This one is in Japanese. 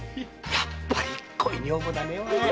やっぱり恋女房だねぇ。